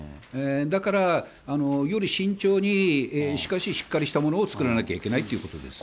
だからより慎重に、しかししっかりしたものを作らなきゃいけないということです。